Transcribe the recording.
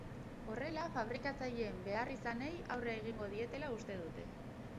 Horrela, fabrikatzaileen beharrizanei aurre egingo dietela uste dute.